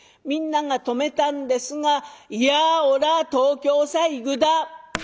みんなが止めたんですが「いやおら東京さ行ぐだ」。